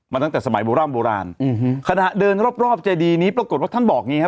ตั้งแต่สมัยโบร่ำโบราณอืมขณะเดินรอบรอบเจดีนี้ปรากฏว่าท่านบอกอย่างงี้ฮ